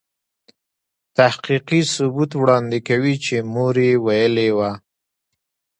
تحقیقي ثبوت وړاندې کوي چې مور يې ویلې وه.